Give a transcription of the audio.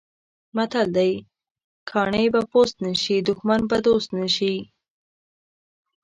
متل دی: کاڼی به پوست نه شي، دښمن به دوست نه شي.